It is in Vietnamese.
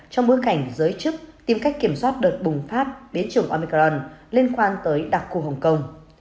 trong bối cảnh giới chức tìm cách kiểm soát đợt bùng phát biến chủng omicron liên quan tới đặc khu hồng kông